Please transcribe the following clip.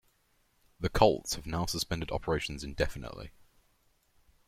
The Colts have now suspended operations indefinitely.